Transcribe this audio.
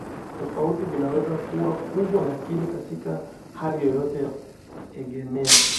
tofauti vinaweza kuwa kubwa lakini katika hali yoyote kuegemea